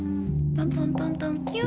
トントントントンキュ。